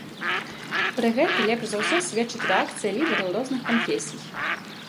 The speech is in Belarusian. Пра гэта лепш за ўсё сведчыць рэакцыя лідараў розных канфесій.